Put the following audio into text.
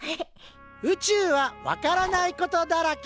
宇宙は分からないことだらけ。